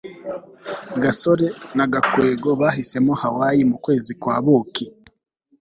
gasore na gakwego bahisemo hawaii mukwezi kwa buki